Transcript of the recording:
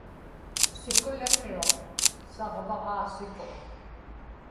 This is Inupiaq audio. sikuliqiruq; saġvaġaa siku